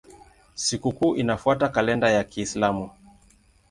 Sikukuu inafuata kalenda ya Kiislamu.